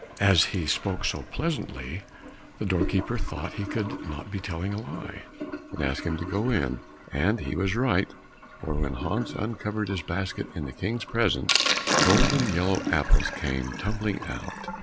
As he spoke so pleasantly, the door keeper thought he could not be telling a lie, and asked him to go in, and he was right, for when Hans uncovered his basket in the King's presence, golden yellow apples came tumbling out.